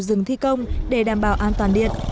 dừng thi công để đảm bảo an toàn điện